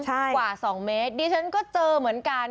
กว่า๒เมตรดิฉันก็เจอเหมือนกัน